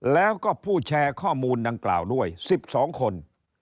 แล้วก็ผู้แชร์ข้อมูลดังกล่าวด้วย๑๒คน